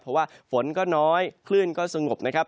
เพราะว่าฝนก็น้อยคลื่นก็สงบนะครับ